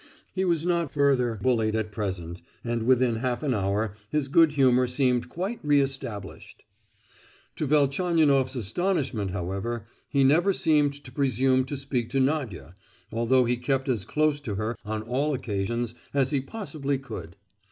He was not further bullied at present, and within half an hour his good humour seemed quite re established. To Velchaninoff's astonishment, however, he never seemed to presume to speak to Nadia, although he kept as close to her, on all occasions, as he possibly could.